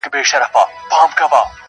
ورته اېل یې هم غوایي او هم پیلان کړل -